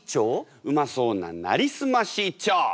うまそうな「なりすまし」一丁！